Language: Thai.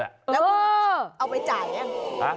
แล้วก็เอาไปจ่ายยัง